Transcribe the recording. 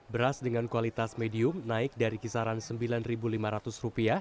beras dengan kualitas medium naik dari kisaran rp sembilan lima ratus